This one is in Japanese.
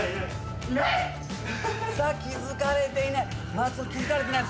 松尾気付かれていない。